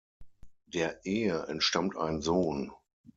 Der Ehe entstammt ein Sohn.